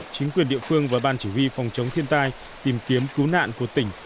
chính quyền địa phương và ban chỉ huy phòng chống thiên tai tìm kiếm cứu nạn của tỉnh